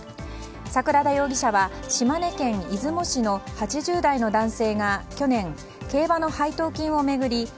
桜田容疑者は島根県出雲市の８０代の男性が去年、競馬の配当金を巡り